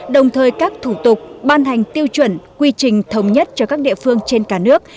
đồng thời các thủ tục ban hành tiêu chuẩn quy trình thống nhất cho các địa phương trên cả nước